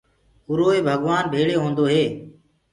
اُروئي ڀگوآن ڀيݪي هوندوئي